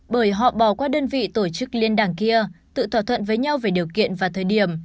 bởi họ bỏ qua đơn vị tổ chức liên đảng kia tự thỏa thuận với nhau về điều kiện và thời điểm